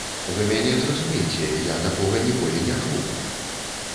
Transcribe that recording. Вы мяне зразумейце, я такога ніколі не чуў.